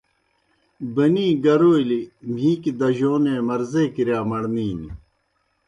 بَنِی گَرَولیْ مِھیکی دجونے مرضے کِرِیا مڑنِینیْ۔